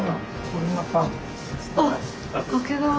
あっ。